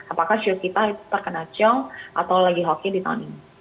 apakah show kita itu terkena chong atau lagi hoki di tahun ini